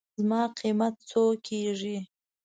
زما قېمت څو کېږي.